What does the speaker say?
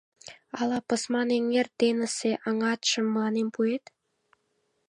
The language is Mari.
— Ала Пысман эҥер денысе аҥатшым мыланем пуэт?